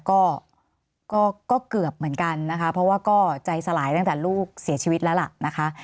ก็ก็เกือบเหมือนกันนะคะเพราะว่าก็ใจสลายตั้งแต่ลูกเสียชีวิตแล้วล่ะนะคะ